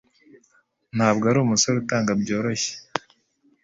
Ntabwo arumusore utanga byoroshye.